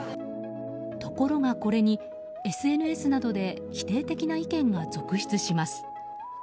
ところが、これにＳＮＳなどで否定的な意見が続出します。